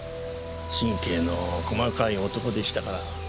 神経の細かい男でしたから。